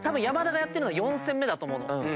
山田がやってるのは４戦目だと思う。